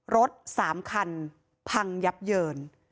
รถ๓คันพังยับเยิน